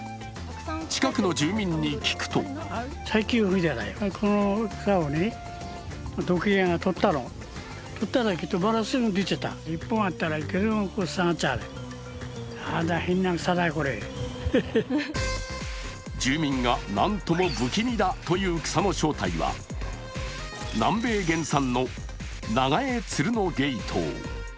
近くの住民に聞くと住民がなんとも不気味だという草の正体は、南米原産のナガエツルノゲイトウ。